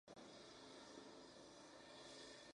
El pazo es un edificio de planta en "L".